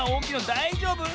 だいじょうぶ？